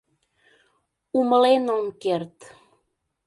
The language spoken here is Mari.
Умылен ом керт.